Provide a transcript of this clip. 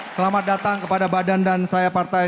selamat datang kepada badan dan saya partai